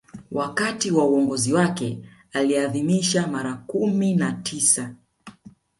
Wakati wa uongozi wake aliadhimisha mara kumi na tisa